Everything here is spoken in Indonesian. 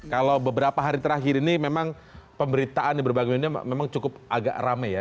kalau beberapa hari terakhir ini memang pemberitaan di berbagai media memang cukup agak rame ya